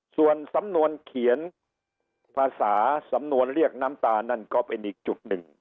ส่วนสำนวนเขียนภาษาสำนวนเรียกน้ำตานั่นก็เป็นอีกจุดหนึ่ง